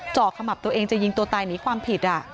ขมับตัวเองจะยิงตัวตายหนีความผิด